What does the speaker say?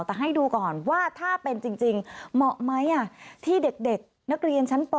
แต่ให้ดูก่อนว่าถ้าเป็นจริงเหมาะไหมที่เด็กนักเรียนชั้นป